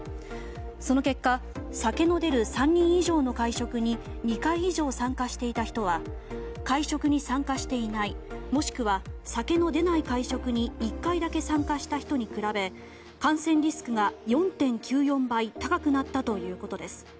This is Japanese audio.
その結果酒の出る３人以上の会食に２回以上参加していた人は会食に参加していない、もしくは酒の出ない会食に１回だけ参加した人に比べ感染リスクが４．９４倍高くなったということです。